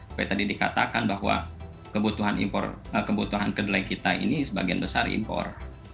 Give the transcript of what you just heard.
seperti tadi dikatakan bahwa kebutuhan impor kebutuhan kedelai kita ini sebagian besar impor